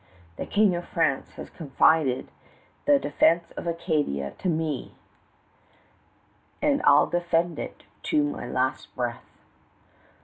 The King of France has confided the defense of Acadia to me; and I'll defend it to my last breath."